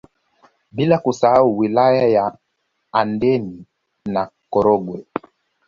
Bila kusahau wilaya za Handeni na Korogwe